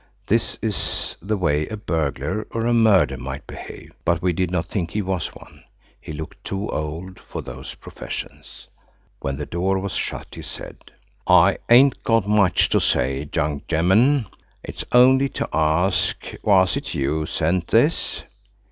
This is the way a burglar or a murderer might behave, but we did not think he was one. He looked too old for those professions. When the door was shut, he said– "I ain't got much to say, young gemmen. It's only to ask was it you sent this?"